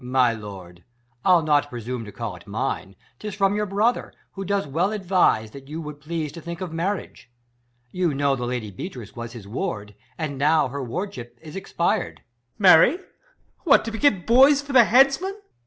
My lord, I'll not presume to call it mine ; 'Tis from your brother, who does well advise, That you would please to think of marriage. You know the lady Beatrice was his ward ; And now her \ wardship is expir'd. Ben. Marry? What to beget boys for the headsman ] EscH.